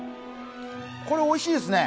これ、おいしいですね。